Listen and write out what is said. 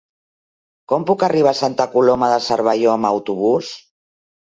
Com puc arribar a Santa Coloma de Cervelló amb autobús?